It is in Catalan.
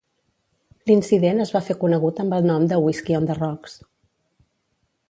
L'incident es va fer conegut amb el nom de "Whisky on the Rocks".